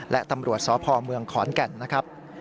และตำรวจสพเมืองขอนแก่นนะครับ